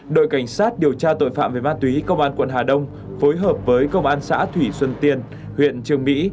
đội cảnh sát điều tra tội phạm về ma túy công an quận hà đông phối hợp với công an xã thủy xuân tiền huyện trường mỹ